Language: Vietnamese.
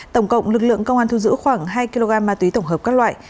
tổng cộng lực lượng công an thu giữ khoảng hai kg ma túy tổng hợp các loại